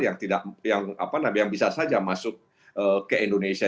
yang bisa saja masuk ke indonesia